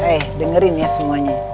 eh dengerin ya semuanya